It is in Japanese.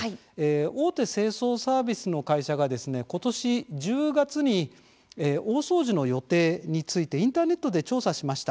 大手清掃サービスの会社が今年１０月に大掃除の予定についてインターネットで調査しました。